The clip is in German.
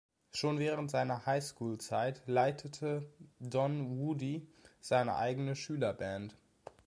Schon während seiner High-School-Zeit leitete Don Woody seine eigene Schülerband.